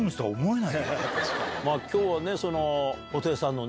今日は布袋さんの。